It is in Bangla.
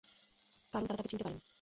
কারণ তাঁরা তাকে চিনতে পারেনি।